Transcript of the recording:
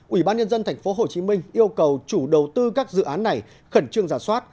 ủy ban nhân dân tp hcm yêu cầu chủ đầu tư các dự án này khẩn trương giả soát